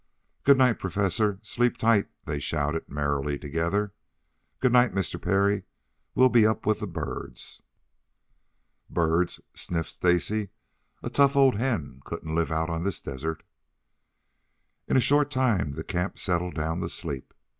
"Good night, Professor, sleep tight," they shouted merrily altogether. "Good night, Mr. Parry. We'll be up with the birds." "Birds," sniffed Stacy. "A tough old hen couldn't live out on this desert." In a short time the camp settled down to sleep.